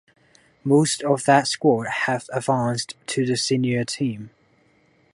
Most of that squad have advanced to the Senior Team.